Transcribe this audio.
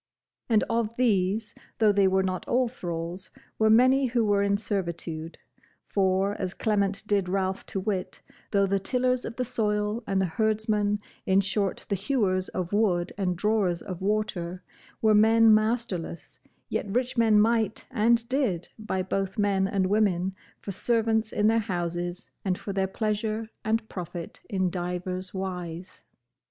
And of these, though they were not all thralls, were many who were in servitude: for, as Clement did Ralph to wit, though the tillers of the soil, and the herdsmen, in short the hewers of wood and drawers of water, were men masterless, yet rich men might and did buy both men and women for servants in their houses, and for their pleasure and profit in divers wise.